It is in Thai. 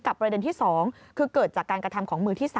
ประเด็นที่๒คือเกิดจากการกระทำของมือที่๓